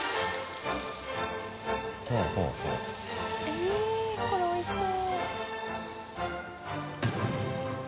えっこれおいしそう。